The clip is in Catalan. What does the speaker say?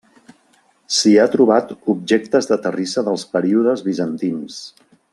S'hi ha trobat objectes de terrissa dels períodes bizantins.